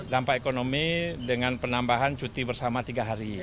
dampak ekonomi dengan penambahan cuti bersama tiga hari